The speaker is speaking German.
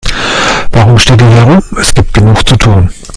Warum steht ihr hier herum, es gibt genug zu tun.